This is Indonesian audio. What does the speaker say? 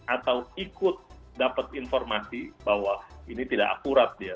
atau ikut dapat informasi bahwa ini tidak akurat dia